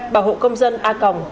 bảo hộ công dân